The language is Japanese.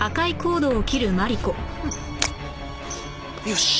よし！